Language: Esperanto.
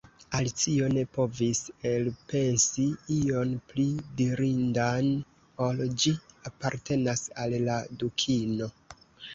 Alicio ne povis elpensi ion pli dirindan ol: "Ĝi apartenas al la Dukino. »